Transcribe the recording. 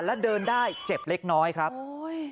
แล้วเดินได้เจ็บเล็กน้อยครับโอ้ย